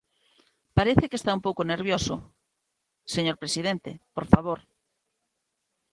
Parece que está un pouco nervioso, señor presidente, por favor.